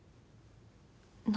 何？